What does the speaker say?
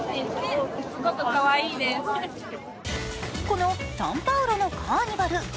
このサンパウロのカーニバル。